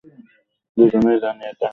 দুজনেই জানি এটা।